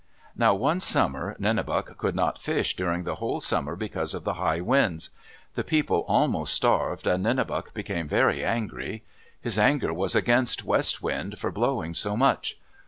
Now one summer Nenebuc could not fish during the whole summer because of the high winds. The people almost starved and Nenebuc became very angry. His anger was against West Wind for blowing so much.